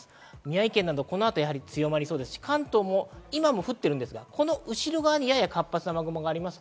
宮城県など、この後は強まりそうですし、関東も今も降っていますが、この後ろ側にやや活発な雨雲があります。